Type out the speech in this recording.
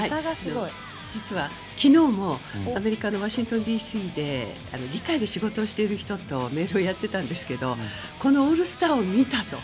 実は昨日もアメリカのワシントンＤＣで仕事をしている人とメールをやってたんですがこのオールスターを見たと。